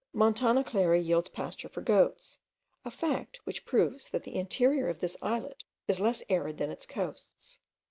Montana Clara yields pasture for goats, a fact which proves that the interior of this islet is less arid than its coasts.